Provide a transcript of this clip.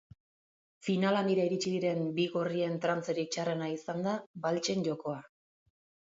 Final handira iritsi diren bi gorrien trantzerik txarrena izan da baltsen jokoa.